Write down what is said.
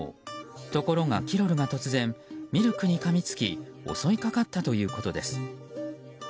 ところが、キロルが突然ミルクにかみつき襲いかかったということです。